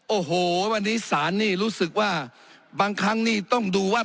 โอ้โหวันนี้ศาลนี่รู้สึกว่าบางครั้งนี่ต้องดูว่า